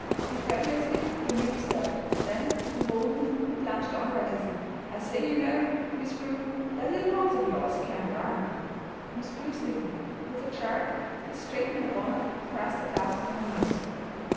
Incredulously the youth stared; then, emboldened, he plunged on recklessly: "I say, you know, Miss Prue, that little horse of yours can run!" Miss Prue stiffened. With a jerk she straightened her bonnet and thrust her glasses on her nose.